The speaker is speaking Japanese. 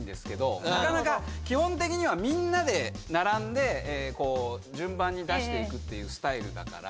基本的にはみんなで並んで順番に出していくっていうスタイルだから。